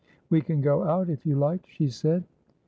"We can go out, if you like," she said.